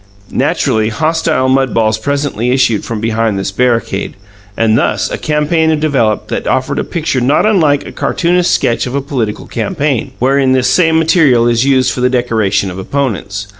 Naturally, hostile mud balls presently issued from behind this barricade; and thus a campaign developed that offered a picture not unlike a cartoonist's sketch of a political campaign, wherein this same material is used for the decoration of opponents.